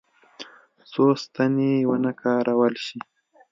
څو ستنې ونه کارول شي.